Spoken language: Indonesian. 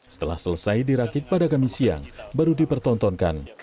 setelah selesai dirakit pada kamis siang baru dipertontonkan